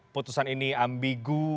putusan ini ambigu